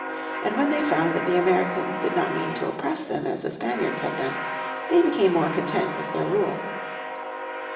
And when they found that the Americans did not mean to oppress them as the Spaniards had done they became more content with their rule.